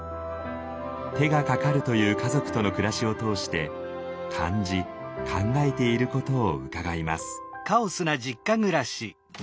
手がかかるという家族との暮らしを通して感じ考えていることを伺います。